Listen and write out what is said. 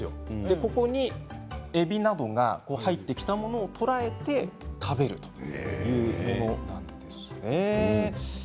ここに、えびなどが入ってきたものを捕らえて食べるというものなんですね。